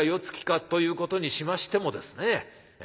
つきかということにしましてもですね